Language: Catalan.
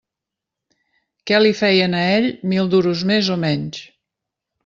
Què li feien a ell mil duros més o menys!